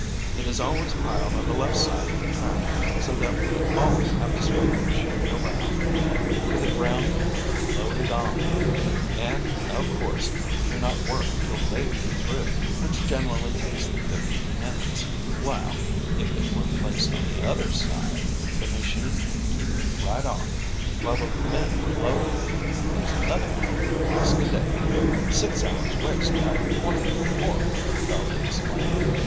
It is always piled on the left side of the track, so that we always have to swing the machine around and wait for the ground men to load it on, and, of course, we do no work until they get through, which generally takes them 15 minutes, while, if it were placed on the other side, the machine could keep right on while the men were loading. There's another hour lost a day." "Six hours' waste out of twenty four," Charley exclaimed.